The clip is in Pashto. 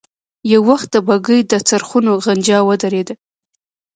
يو وخت د بګۍ د څرخونو غنجا ودرېده.